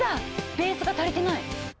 ベースが足りてない。